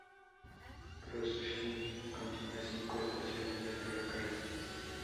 Flushing contiene cinco estaciones de ferrocarril.